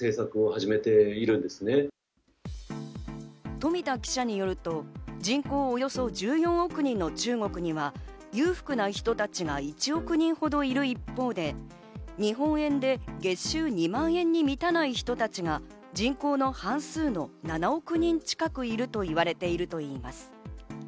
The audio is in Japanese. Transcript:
富田記者によると、人口およそ１０億人の中国人は裕福な人たちが１億人ほどいる一方で、日本円で月収２万円に満たない人たちが人口の半数の７億人近くいると言われているといいます。